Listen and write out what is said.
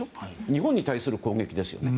日本に対する攻撃ですよね。